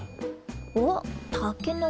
おったけのこ